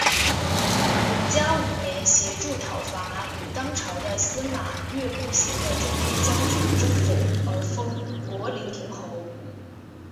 永嘉五年协助讨伐与当朝的司马越不协的镇东将军周馥而封博陵亭侯。